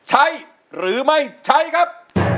ใช้หรือไม่ใช้ครับ